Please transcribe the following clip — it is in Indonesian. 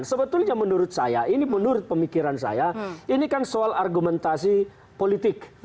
sebetulnya menurut saya ini menurut pemikiran saya ini kan soal argumentasi politik